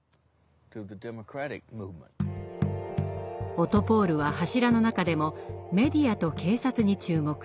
オトポール！は柱の中でも「メディア」と「警察」に注目。